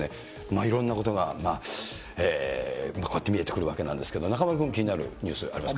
いろんなことが、こうやって見えてくるわけなんですけれども、中丸君、気になるニュースありますか。